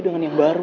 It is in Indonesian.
dengan yang baru